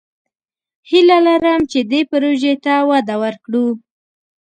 هیله لرم چې دې پروژې ته وده ورکړو.